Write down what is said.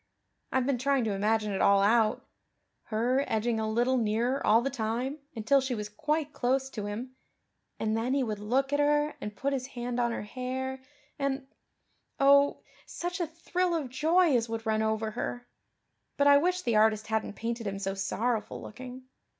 I've been trying to imagine it all out her edging a little nearer all the time until she was quite close to Him; and then He would look at her and put His hand on her hair and oh, such a thrill of joy as would run over her! But I wish the artist hadn't painted Him so sorrowful looking.